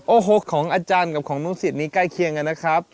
โอ้โหของอาจารย์กับของลูกศิษย์นี้ใกล้เคียงกันนะครับ